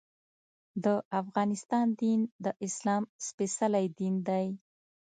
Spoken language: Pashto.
د افغانستان دین د اسلام سپېڅلی دین دی.